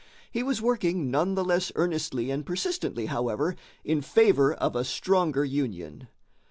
He was working none the less earnestly and persistently, however, in favor of a stronger union.